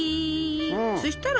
そしたら？